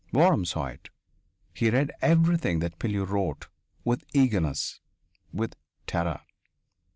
Waram saw it. He read everything that Pilleux wrote with eagerness, with terror.